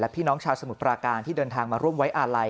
พี่น้องชาวสมุทรปราการที่เดินทางมาร่วมไว้อาลัย